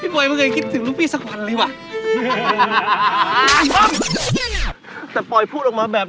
พี่ปลอยมึงไม่คิดถึงลูกปลี่สักวันเลย